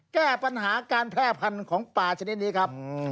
แก้ปัญหาการแพร่พันธุ์ของปลาชนิดนี้ครับ